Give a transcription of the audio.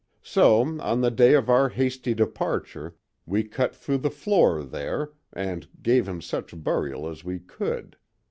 So, on the day of our hasty departure, we cut through the floor there, and gave him such burial as we could.